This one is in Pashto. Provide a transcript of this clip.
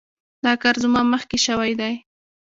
دا کار زما مخکې شوی دی.